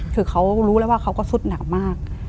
คือเขารู้แล้วว่าเขาก็สุดหนักมาก